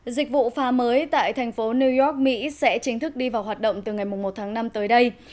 dịch vụ phá mới tại thành phố new york mỹ sẽ chính thức đi vào hoạt động từ ngày một tháng năm tới đây